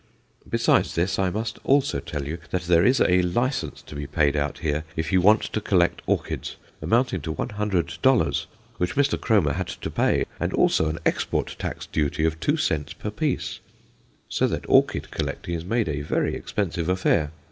Besides this, I also must tell you that there is a license to be paid out here if you want to collect orchids, amounting to $100, which Mr. Kromer had to pay, and also an export tax duty of 2 cents per piece. So that orchid collecting is made a very expensive affair.